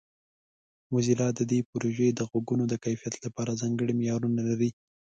موزیلا د دې پروژې د غږونو د کیفیت لپاره ځانګړي معیارونه لري.